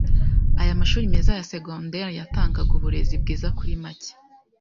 Aya mashuli meza ya secondaire yatangaga uburezi bwiza kuri make,